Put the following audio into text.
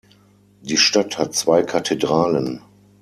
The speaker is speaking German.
Die Stadt hat zwei Kathedralen.